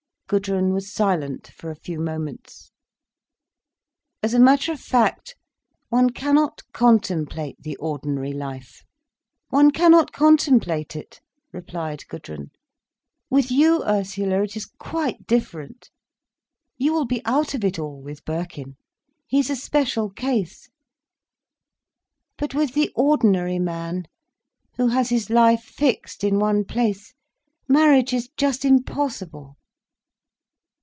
Gudrun was silent for a few moments. "As a matter of fact, one cannot contemplate the ordinary life—one cannot contemplate it," replied Gudrun. "With you, Ursula, it is quite different. You will be out of it all, with Birkin. He's a special case. But with the ordinary man, who has his life fixed in one place, marriage is just impossible.